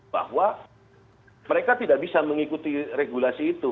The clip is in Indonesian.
bahwa mereka tidak bisa mengikuti regulasi itu